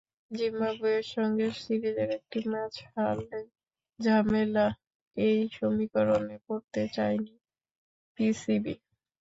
জিম্বাবুয়ের সঙ্গে সিরিজের একটি ম্যাচ হারলেই ঝামেলা—এই সমীকরণে পড়তে চায়নি পিসিবি।